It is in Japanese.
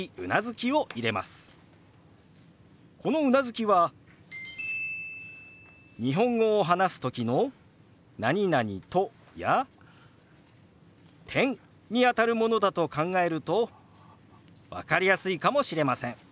このうなずきは日本語を話す時の「と」や「、」にあたるものだと考えると分かりやすいかもしれません。